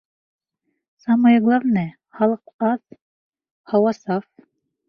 Самое главное, халыҡ аҙ, һауа саф.